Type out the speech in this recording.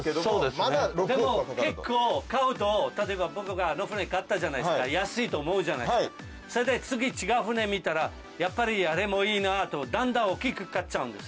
まだ６億はかかるとでも結構買うと例えば僕があの船買ったじゃないですか安いと思うじゃないですかそれで次違う船見たらやっぱりあれもいいなとだんだんおっきく買っちゃうんです